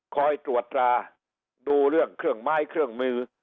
คอยตรวจตราดูเรื่องเครื่องไม้เครื่องมือ